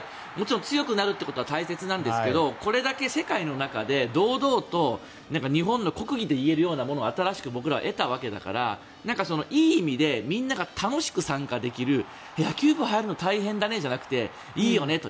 強くなるということは大切ですけどこれだけ世界の中で堂々と日本の国技といえるようなものを新しく僕らは得たわけだからいい意味でみんなが楽しく参加できる野球部に入るの大変だねじゃなくていいよねって。